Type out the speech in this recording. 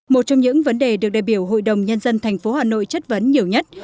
một trong những vấn đề được đại biểu hội đồng nhân dân tp hà nội chất vấn nhiều nhất